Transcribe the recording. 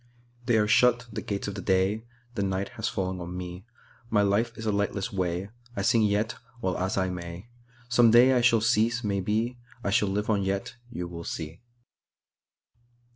They are shut, the gates of the day; The night has fallen on me:My life is a lightless way;I sing yet, while as I may! Some day I shall cease, maybe:I shall live on yet, you will see.